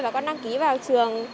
và con đăng ký vào trường